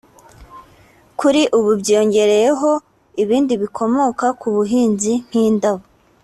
kuri ubu byiyongereyeho ibindi bikomoka ku buhinzi nk’indabo